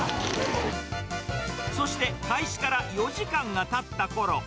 そして開始から４時間がたっ